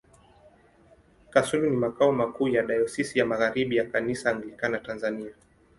Kasulu ni makao makuu ya Dayosisi ya Magharibi ya Kanisa Anglikana Tanzania.